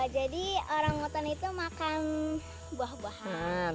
jadi orang hutan itu makan buah buahan